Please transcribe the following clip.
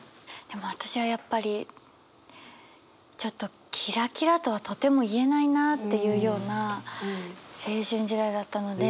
でも私はやっぱりちょっとキラキラとはとても言えないなっていうような青春時代だったので。